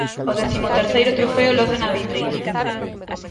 O décimo terceiro trofeo loce na vitrina.